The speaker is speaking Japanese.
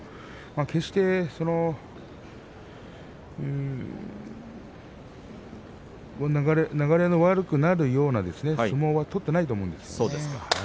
決して流れの悪くなるような相撲を取っていないと思います。